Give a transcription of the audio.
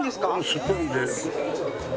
スプーンで。